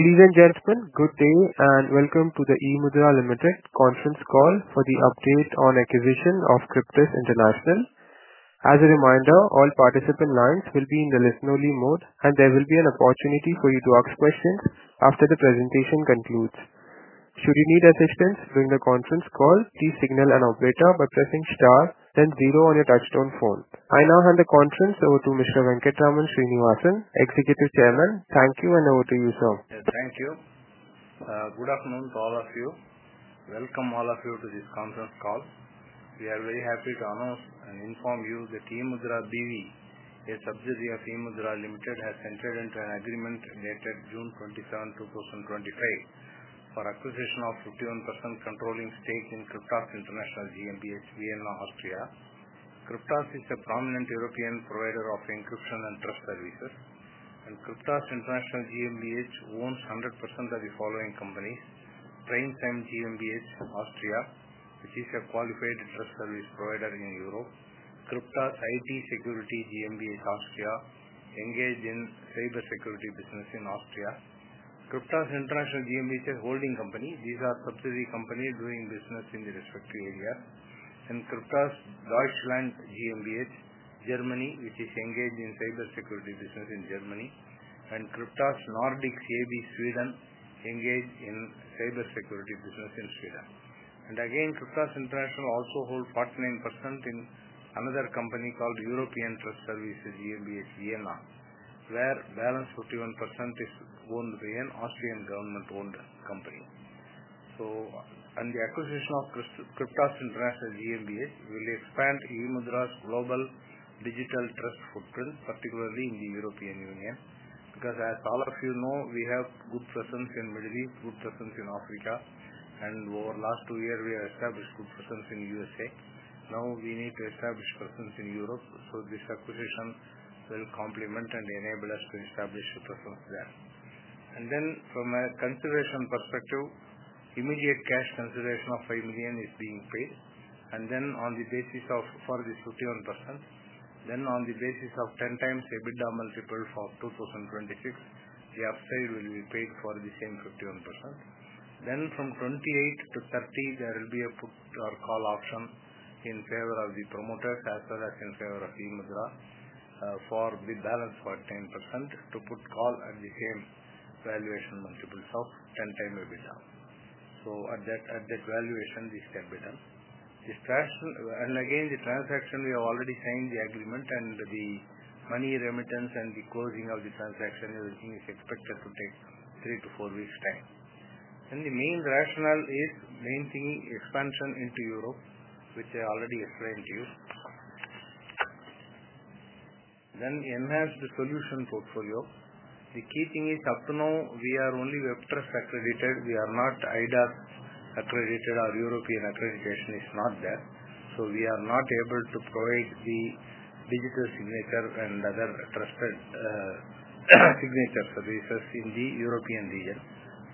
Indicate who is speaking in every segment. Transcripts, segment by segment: Speaker 1: Ladies and gentlemen, good day and welcome to the eMudhra Limited conference call for the update on acquisition of Cryptas International. As a reminder, all participant lines will be in the listen-only mode, and there will be an opportunity for you to ask questions after the presentation concludes. Should you need assistance during the conference call, please signal an operator by pressing star, then zero on your touchtone phone. I now hand the conference over to Mr. Venkatraman Srinivasan, Executive Chairman. Thank you, and over to you, sir.
Speaker 2: Thank you. Good afternoon to all of you. Welcome all of you to this conference call. We are very happy to announce and inform you that eMudhra BV, a subsidiary of eMudhra Limited, has entered into an agreement dated June 27, 2025, for acquisition of 51% controlling stake in Cryptas International GmbH, Vienna, Austria. Cryptas is a prominent European provider of encryption and trust services, and Cryptas International GmbH owns 100% of the following companies: Prinsheim GmbH, Austria, which is a qualified trust service provider in Europe; Cryptas IT Security GmbH, Austria, engaged in cybersecurity business in Austria; Cryptas International GmbH, a holding company. These are subsidiary companies doing business in the respective areas; and Cryptas Deutschland GmbH, Germany, which is engaged in cybersecurity business in Germany, and Cryptas Nordic CAB, Sweden, engaged in cybersecurity business in Sweden. Cryptas International also holds 49% in another company called European Trust Services GmbH, Vienna, where the balance of 51% is owned by an Austrian government-owned company. On the acquisition of Cryptas International GmbH, we will expand eMudhra's global digital trust footprint, particularly in the European Union, because, as all of you know, we have good presence in the Middle East, good presence in Africa, and over the last two years, we have established good presence in the USA. Now, we need to establish presence in Europe, so this acquisition will complement and enable us to establish a presence there. From a consideration perspective, immediate cash consideration of $5 million is being paid, and then on the basis of 51%, then on the basis of 10 times EBITDA multiplied for 2026, the upside will be paid for the same 51%. From 2028 to 2030, there will be a put or call option in favor of the promoters, as well as in favor of eMudhra, for the balance 10% to put or call at the same valuation multiples of 10 times EBITDA. At that valuation, this can be done. The transaction, we have already signed the agreement, and the money remittance and the closing of the transaction is expected to take three to four weeks' time. The main rationale is maintaining expansion into Europe, which I already explained to you. Then, enhance the solution portfolio. The key thing is, up to now, we are only WebTrust accredited. We are not eIDAS accredited. Our European accreditation is not there, so we are not able to provide the digital signature and other trusted signature services in the European region.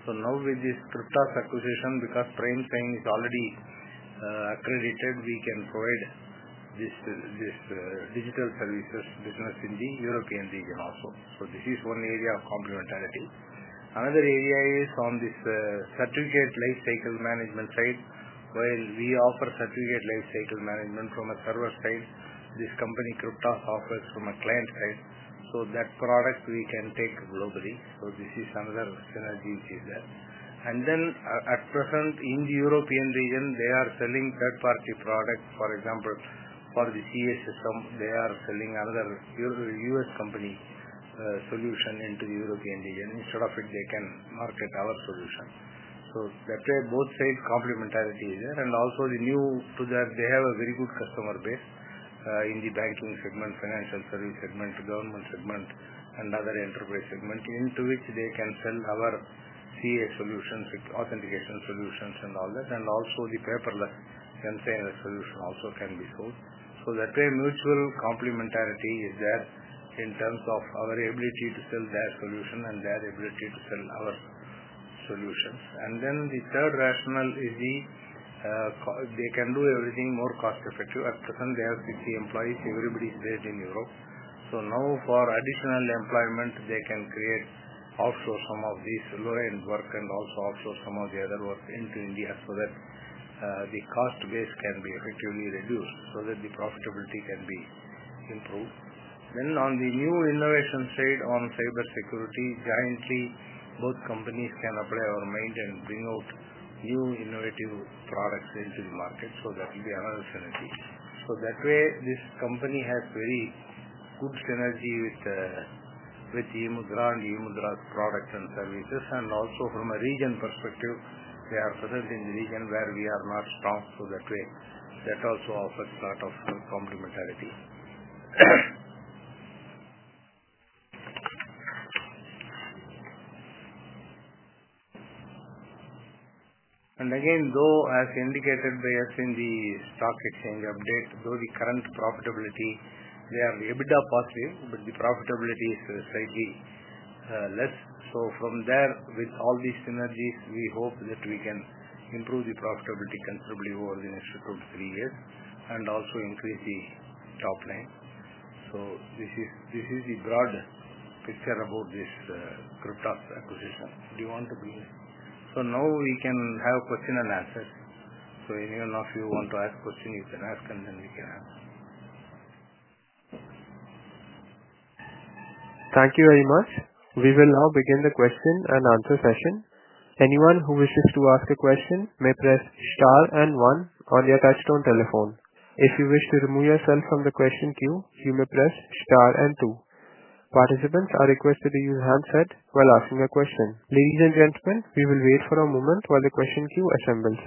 Speaker 2: Now, with this Cryptas acquisition, because Prinsheim is already accredited, we can provide this digital services business in the European region also. This is one area of complementarity. Another area is on this certificate lifecycle management side. While we offer certificate lifecycle management from a server side, this company Cryptas offers from a client side, so that product we can take globally. This is another synergy which is there. At present, in the European region, they are selling third-party products. For example, for the CA system, they are selling another US company solution into the European region. Instead of it, they can market our solution. That way, both sides' complementarity is there. Also, new to that, they have a very good customer base in the banking segment, financial service segment, government segment, and other enterprise segment, into which they can sell our CA solutions, authentication solutions, and all that. The paperless and signed solution also can be sold. That way, mutual complementarity is there in terms of our ability to sell their solution and their ability to sell our solutions. The third rationale is they can do everything more cost-effective. At present, they have 60 employees. Everybody is based in Europe. Now, for additional employment, they can create offshore some of this low-end work and also offshore some of the other work into India so that the cost base can be effectively reduced, so that the profitability can be improved. On the new innovation side on cybersecurity, jointly, both companies can apply or maintain and bring out new innovative products into the market. That will be another synergy. That way, this company has very good synergy with eMudhra and eMudhra's products and services. Also, from a region perspective, they are present in the region where we are not strong. That also offers a lot of complementarity. Again, as indicated by us in the stock exchange update, though the current profitability, they are EBITDA positive, the profitability is slightly less. From there, with all these synergies, we hope that we can improve the profitability considerably over the next two to three years and also increase the top line. This is the broad picture about this Cryptas acquisition. Do you want to be? Now, we can have question and answers. Any one of you want to ask a question, you can ask, and then we can answer.
Speaker 1: Thank you very much. We will now begin the question and answer session. Anyone who wishes to ask a question may press star and one on their touchstone telephone. If you wish to remove yourself from the question queue, you may press star and two. Participants are requested to use handset while asking a question. Ladies and gentlemen, we will wait for a moment while the question queue assembles.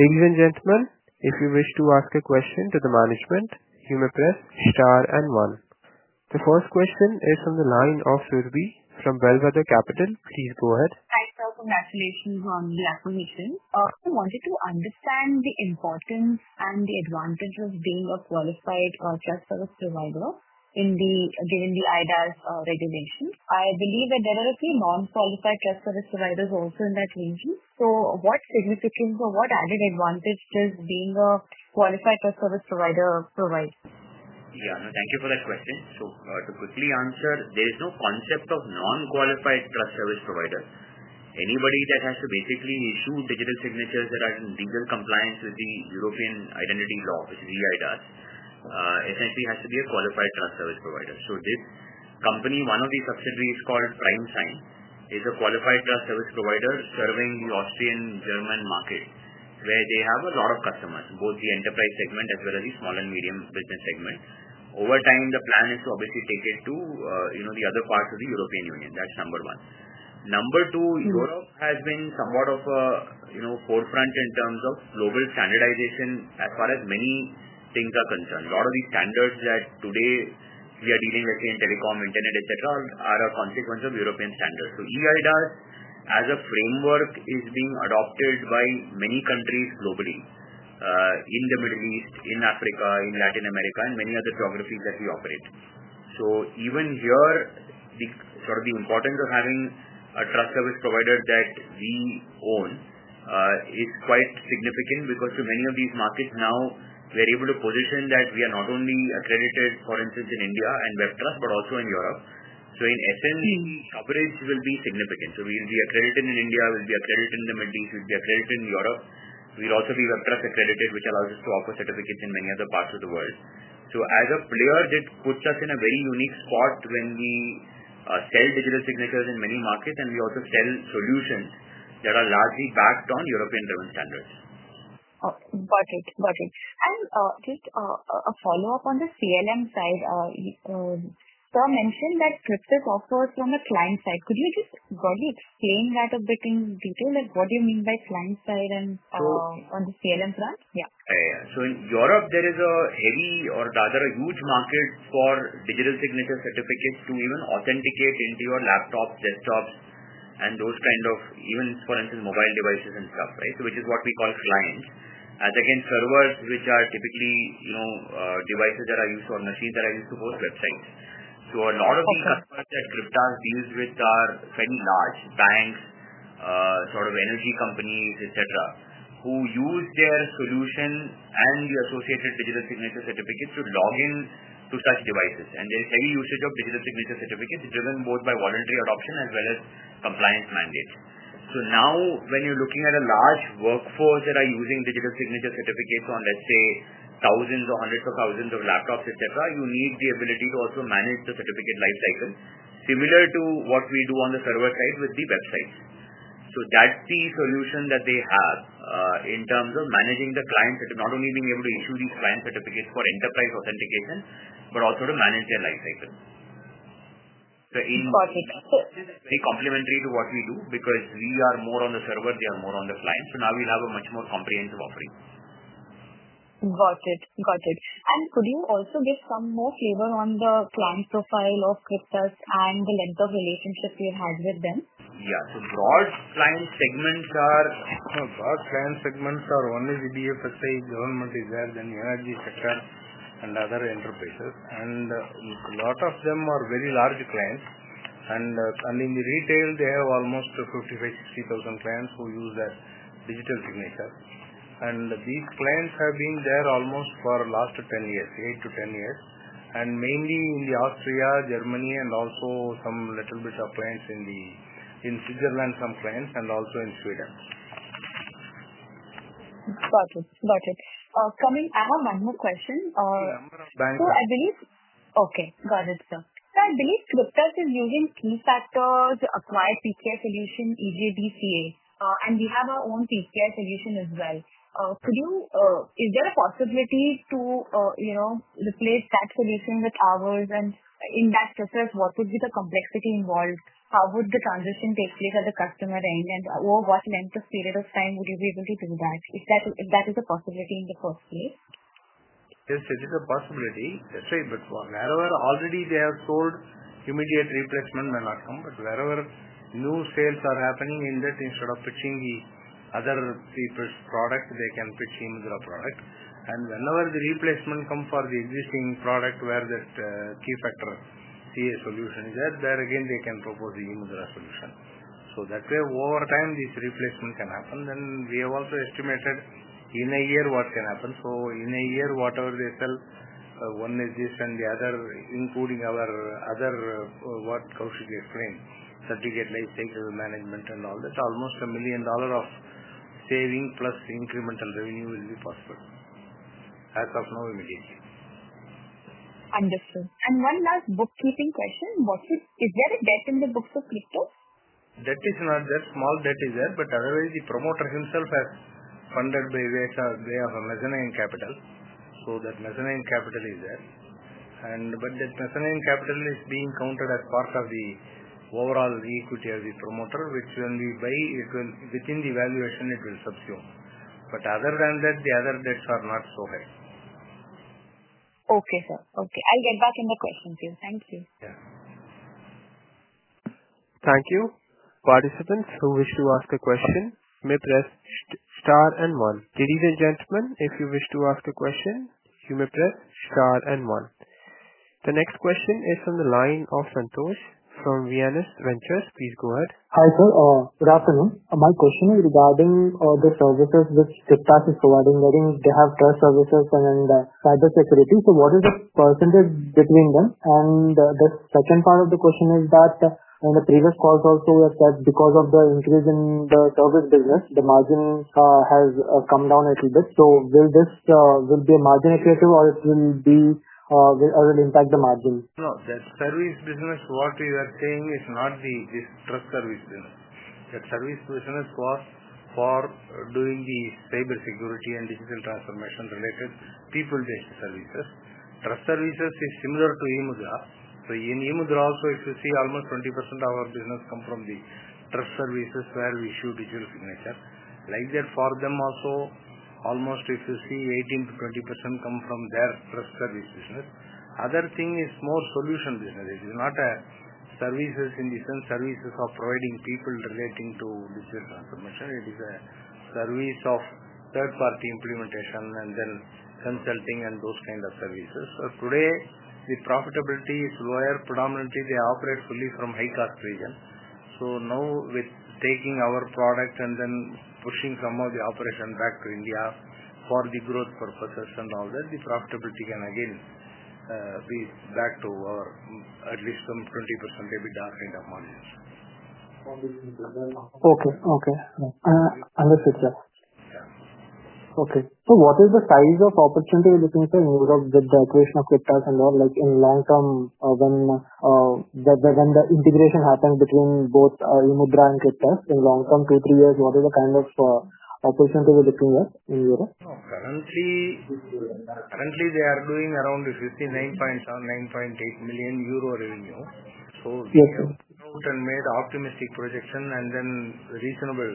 Speaker 1: Ladies and gentlemen, if you wish to ask a question to the management, you may press star and one. The first question is from the line of Surbi from Bellwether Capital. Please go ahead.
Speaker 3: Hi, sir. Congratulations on the acquisition. I wanted to understand the importance and the advantage of being a qualified trust service provider given the eIDAS regulations. I believe that there are a few non-qualified trust service providers also in that region. What significance or what added advantage does being a qualified trust service provider provide?
Speaker 2: Yeah. No, thank you for that question. To quickly answer, there is no concept of non-qualified trust service provider. Anybody that has to basically issue digital signatures that are in legal compliance with the European Identity Law, which is eIDAS, essentially has to be a qualified trust service provider. This company, one of the subsidiaries called Prinsheim, is a qualified trust service provider serving the Austrian-German market, where they have a lot of customers, both the enterprise segment as well as the small and medium business segment. Over time, the plan is to obviously take it to the other parts of the European Union. That's number one. Number two, Europe has been somewhat of a forefront in terms of global standardization as far as many things are concerned. A lot of the standards that today we are dealing with in telecom, internet, etc., are a consequence of European standards. eIDAS, as a framework, is being adopted by many countries globally in the Middle East, in Africa, in Latin America, and many other geographies that we operate. Even here, sort of the importance of having a trust service provider that we own is quite significant because to many of these markets now, we are able to position that we are not only accredited, for instance, in India and WebTrust, but also in Europe. In essence, the coverage will be significant. We will be accredited in India, we will be accredited in the Middle East, we will be accredited in Europe. We'll also be WebTrust accredited, which allows us to offer certificates in many other parts of the world. As a player, that puts us in a very unique spot when we sell digital signatures in many markets, and we also sell solutions that are largely backed on European-driven standards.
Speaker 3: Got it. Got it. Just a follow-up on the CLM side, sir mentioned that Cryptas offers from a client side. Could you just broadly explain that a bit in detail? What do you mean by client-side on the CLM front? Yeah.
Speaker 2: Yeah. Yeah. In Europe, there is a heavy, or rather a huge, market for digital signature certificates to even authenticate into your laptops, desktops, and those kind of, even for instance, mobile devices and stuff, right, which is what we call clients, as against servers, which are typically devices that are used or machines that are used to host websites. A lot of the customers that Cryptas deals with are fairly large banks, sort of energy companies, etc., who use their solution and the associated digital signature certificates to log in to such devices. There is heavy usage of digital signature certificates driven both by voluntary adoption as well as compliance mandates. Now, when you're looking at a large workforce that are using digital signature certificates on, let's say, thousands or hundreds of thousands of laptops, etc., you need the ability to also manage the certificate lifecycle, similar to what we do on the server side with the websites. That's the solution that they have in terms of managing the clients, not only being able to issue these client certificates for enterprise authentication but also to manage their lifecycle.
Speaker 3: Got it.
Speaker 2: It is very complementary to what we do because we are more on the server, they are more on the client. Now we will have a much more comprehensive offering.
Speaker 3: Got it. Got it. Could you also give some more flavor on the client profile of Cryptas and the length of relationship you have had with them?
Speaker 2: Yeah. Broad client segments are only the DFSA, government is there, then the energy sector, and other enterprises. A lot of them are very large clients. In the retail, they have almost 55,000-60,000 clients who use that digital signature. These clients have been there almost for the last 8 to 10 years, mainly in Austria, Germany, and also a little bit of clients in Switzerland, some clients, and also in Sweden.
Speaker 3: Got it. Got it. I have one more question.
Speaker 2: Yeah. Bank.
Speaker 3: Okay. Got it, sir. I believe Cryptas is using Keyfactor to acquire PKI solution, e.g., DCA, and we have our own PKI solution as well. Is there a possibility to replace that solution with ours? In that process, what would be the complexity involved? How would the transition take place at the customer end? Over what length of period of time would you be able to do that, if that is a possibility in the first place?
Speaker 2: Yes, it is a possibility. That's right. Wherever already they have sold, immediate replacement may not come. Wherever new sales are happening in that, instead of pitching the other people's product, they can pitch eMudhra product. Whenever the replacement comes for the existing product where that Keyfactor CA solution is there, there again, they can propose the eMudhra solution. That way, over time, this replacement can happen. We have also estimated in a year what can happen. In a year, whatever they sell, one is this and the other, including our other what Kaushik explained, certificate lifecycle management and all that, almost $1 million of saving plus incremental revenue will be possible as of now immediately.
Speaker 3: Understood. One last bookkeeping question. Is there a debt in the books of Cryptas?
Speaker 2: Debt is not there. Small debt is there. Otherwise, the promoter himself has funded by way of a mezzanine capital. That mezzanine capital is there. That mezzanine capital is being counted as part of the overall equity of the promoter, which, when we buy, within the valuation, it will subsume. Other than that, the other debts are not so high.
Speaker 3: Okay, sir. Okay. I'll get back in the question queue. Thank you.
Speaker 2: Yeah.
Speaker 1: Thank you. Participants who wish to ask a question may press star and one. Ladies and gentlemen, if you wish to ask a question, you may press star and one. The next question is from the line of Santosh from Viansh Ventures. Please go ahead.
Speaker 4: Hi sir. Good afternoon. My question is regarding the services which Cryptas is providing, getting they have trust services and cybersecurity. What is the percentage between them? The second part of the question is that in the previous calls also, we have said because of the increase in the service business, the margin has come down a little bit. Will this be a margin equator, or will it impact the margin?
Speaker 2: No. That service business—what we are saying is not this trust service business. That service business was for doing the cybersecurity and digital transformation related people-based services. Trust services is similar to eMudhra. In eMudhra also, if you see, almost 20% of our business comes from the trust services where we issue digital signatures. Like that, for them also, almost, if you see, 18-20% come from their trust service business. Other thing is more solution business. It is not a services in the sense services of providing people relating to digital transformation. It is a service of third-party implementation and then consulting and those kind of services. Today, the profitability is lower. Predominantly, they operate fully from high-cost region. Now, with taking our product and then pushing some of the operation back to India for the growth purposes and all that, the profitability can again be back to our at least some 20% EBITDA kind of margins.
Speaker 4: Okay. Okay. Understood, sir.
Speaker 2: Yeah.
Speaker 4: Okay. What is the size of opportunity we're looking for in Europe with the creation of Cryptas and all? Like in long term, when the integration happens between both eMudhra and Cryptas in long term, two, three years, what is the kind of opportunity we're looking at in Europe?
Speaker 2: Currently, they are doing around EUR 9.7-9.8 million revenue. So we wrote and made optimistic projection and then reasonable,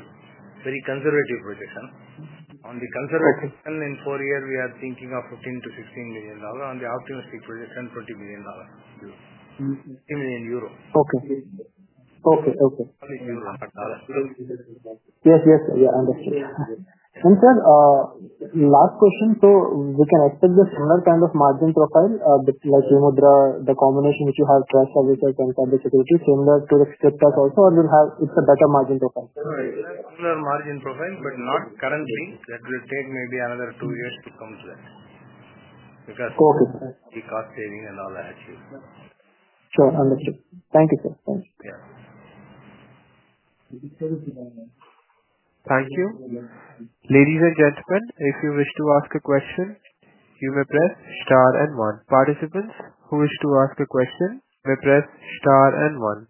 Speaker 2: very conservative projection. On the conservative projection in four years, we are thinking of $15-16 million. On the optimistic projection, $20 million, EUR 20 million.
Speaker 4: Okay.
Speaker 2: Only euro, not dollar.
Speaker 4: Yes. Yes, sir. Yeah. Understood. Sir, last question. We can expect the similar kind of margin profile, like eMudhra, the combination which you have trust services and cybersecurity, similar to the Cryptas also, or it's a better margin profile?
Speaker 2: Similar margin profile, but not currently. That will take maybe another two years to come to that because of the cost saving and all that.
Speaker 4: Sure. Understood. Thank you, sir. Thank you.
Speaker 2: Yeah.
Speaker 1: Thank you. Ladies and gentlemen, if you wish to ask a question, you may press star and one. Participants who wish to ask a question may press star and one.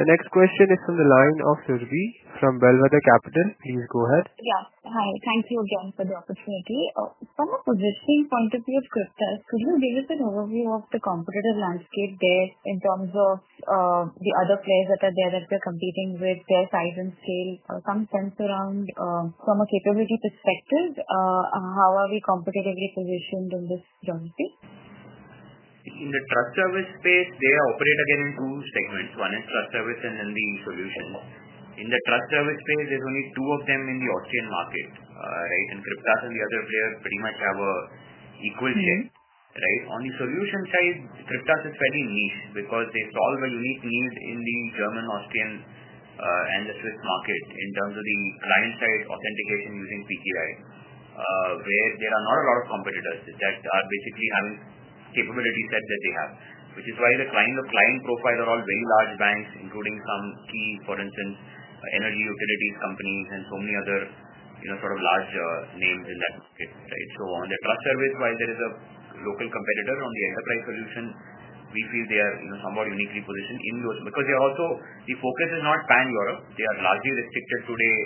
Speaker 1: The next question is from the line of Surbi from Bellwether Capital. Please go ahead.
Speaker 3: Yeah. Hi. Thank you again for the opportunity. From a positioning point of view of Cryptas, could you give us an overview of the competitive landscape there in terms of the other players that are there that they're competing with, their size and scale, some sense around, from a capability perspective, how are we competitively positioned in this geography?
Speaker 2: In the trust service space, they operate again in two segments. One is trust service and then the solutions. In the trust service space, there are only two of them in the Austrian market, right? Cryptas and the other players pretty much have an equal share, right? On the solution side, Cryptas is fairly niche because they solve a unique need in the German, Austrian, and the Swiss market in terms of the client-side authentication using PKI, where there are not a lot of competitors that are basically having capability set that they have, which is why the client profiles are all very large banks, including some key, for instance, energy utilities companies and so many other sort of large names in that market, right? On the trust service, while there is a local competitor on the enterprise solution, we feel they are somewhat uniquely positioned in those because they are also, the focus is not pan-Europe. They are largely restricted today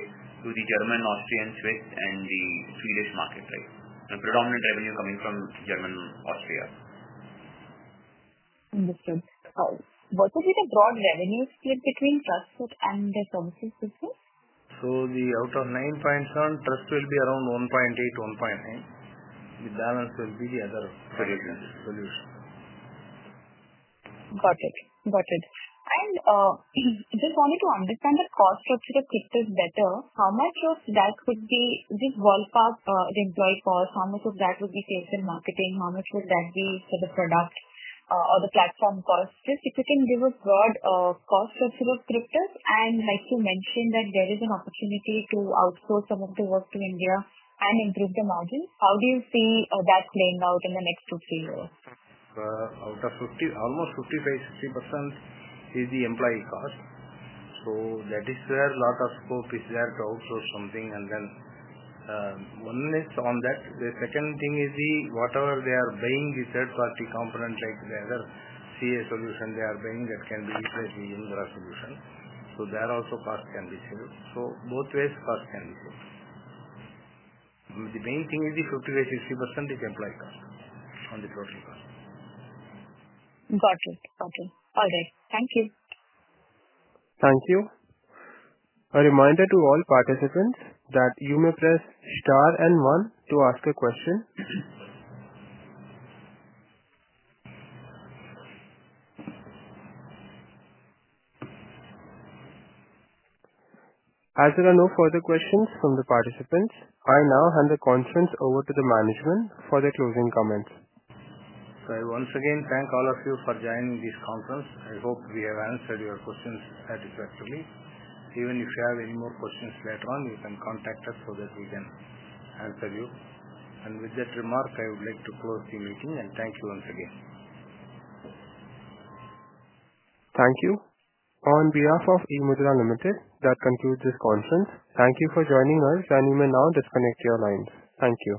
Speaker 2: to the German, Austrian, Swiss, and the Swedish market, right? Predominant revenue coming from Germany, Austria.
Speaker 3: Understood. What would be the broad revenue split between trust and the services business?
Speaker 2: of 9.7 million, trust will be around 1.8 million-1.9 million. The balance will be the other solutions.
Speaker 3: Got it. Got it. Just wanted to understand the cost structure of Cryptas better. How much of that would be, just ballpark, the employee cost? How much of that would be sales and marketing? How much would that be for the product or the platform cost? Just if you can give a broad cost structure of Cryptas, and like you mentioned that there is an opportunity to outsource some of the work to India and improve the margins, how do you see that playing out in the next two, three years?
Speaker 2: Out of almost 55-60% is the employee cost. That is where a lot of scope is there to outsource something. One is on that. The second thing is whatever they are buying, the third-party component, like the other CA solution they are buying, that can be replaced with eMudhra solution. There also, cost can be saved. Both ways, cost can be saved. The main thing is the 55-60% is employee cost on the total cost.
Speaker 3: Got it. Got it. All right. Thank you.
Speaker 1: Thank you. A reminder to all participants that you may press star and one to ask a question. As there are no further questions from the participants, I now hand the conference over to the management for their closing comments.
Speaker 2: I once again thank all of you for joining this conference. I hope we have answered your questions satisfactorily. Even if you have any more questions later on, you can contact us so that we can answer you. With that remark, I would like to close the meeting and thank you once again.
Speaker 1: Thank you. On behalf of eMudhra Limited, that concludes this conference. Thank you for joining us, and you may now disconnect your lines. Thank you.